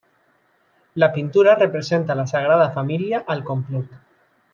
La pintura representa la Sagrada Família al complet: